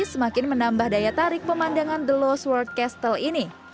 semakin menambah daya tarik pemandangan the lost world castle ini